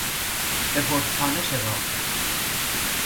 به پستخانه شتافتم.